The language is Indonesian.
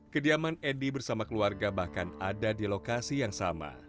kediaman edi bersama keluarga bahkan ada di lokasi yang sama